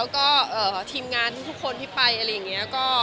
ก็เรียกว่าก็หายเหนื่อย